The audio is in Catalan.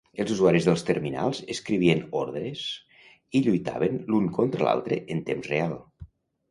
Els usuaris dels terminals escrivien ordres i lluitaven l'un contra l'altre en temps real.